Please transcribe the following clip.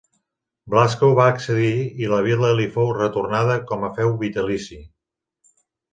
Blasco va accedir i la vila li fou retornada com a feu vitalici.